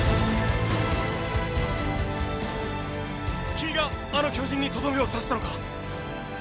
君があの巨人にとどめを刺したのか